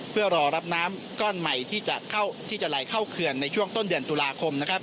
เพื่อรอรับน้ำก้อนใหม่ที่จะไหลเข้าเขื่อนในช่วงต้นเดือนตุลาคม